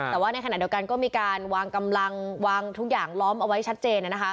แต่ว่าในขณะเดียวกันก็มีการวางกำลังวางทุกอย่างล้อมเอาไว้ชัดเจนนะคะ